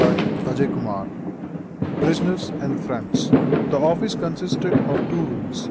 CHAPTER LIV. PRISONERS AND FRIENDS. The office consisted of two rooms.